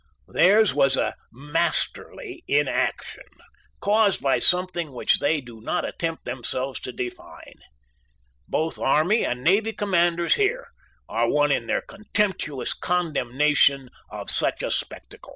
Theirs was a "masterly inaction" caused by something which they do not attempt themselves to define. Both army and navy commanders here are one in their contemptuous condemnation of such a spectacle.